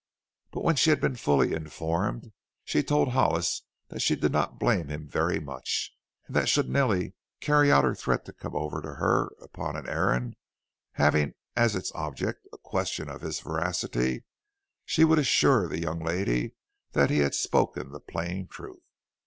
But when she had been fully informed, she told Hollis that she did not blame him very much, and that should Nellie carry out her threat to come to her upon an errand having as its object a question of his veracity, she would assure the young lady that he had spoken the plain truth.